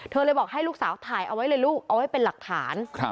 เลยบอกให้ลูกสาวถ่ายเอาไว้เลยลูกเอาไว้เป็นหลักฐาน